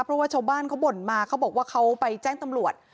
เพราะว่าชาวบ้านเขาบ่นมาเขาบอกว่าเขาไปแจ้งตำรวจ